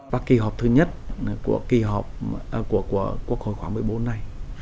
trong kỳ họp thứ nhất của quốc hội khóa một mươi bốn này